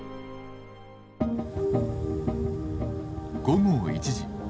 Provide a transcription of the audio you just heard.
午後１時。